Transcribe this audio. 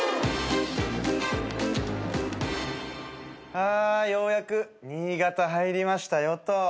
あようやく新潟入りましたよと。